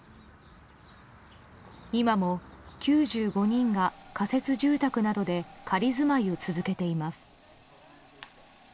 今も９５人が仮設住宅などで仮住まいを続けています。